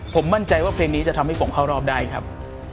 ผมมั่นใจว่าเพลงนี้จะทำให้ผมเข้ารอบได้ครับ